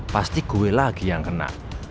pasti gue lagi yang kena